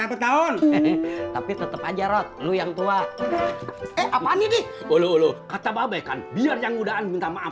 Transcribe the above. tetahun tapi tetep aja road yang tua eh apa nih kalau kata babaikan biar yang mudahan minta maaf